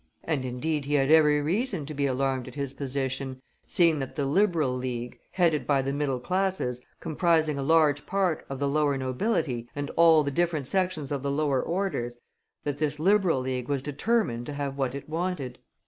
And, indeed, he had every reason to be alarmed at his position, seeing that the Liberal League, headed by the middle classes, comprising a large part of the lower nobility, and all the different sections of the lower orders that this Liberal League was determined to have what it wanted.